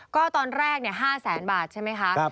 ก็ตอนแรก๕แสนบาทใช่ไหมคะ